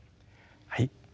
はい。